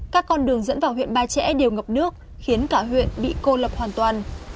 các con đường dẫn vào huyện ba trẻ đều ngập nước khiến cả huyện bị cô lập hoàn toàn